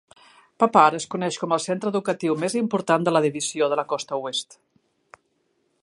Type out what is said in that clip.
Papar es coneix com el centre educatiu més important de la Divisió de la costa oest.